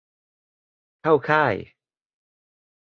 เข้าค่าย ?